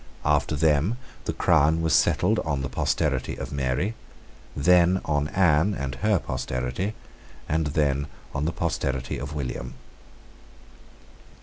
After them the crown was settled on the posterity of Mary, then on Anne and her posterity, and then on the posterity of William.